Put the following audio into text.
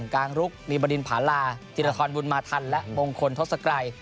กลางลุกมีบดินผาลาธิรทรบุญมาทันและมงคลทศกรัย